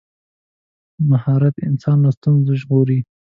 مهارت انسان له ستونزو ژغوري.